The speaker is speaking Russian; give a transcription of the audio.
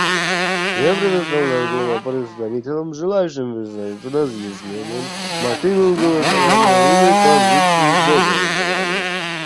Я предоставляю слово представителям, желающим выступить с разъяснением мотивов голосования или позиции до голосования.